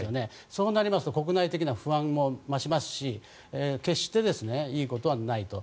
そうなりますと国内的には不安も増しますし決していいことはないと。